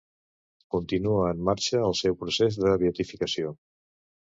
Continua en marxa el seu procés de beatificació.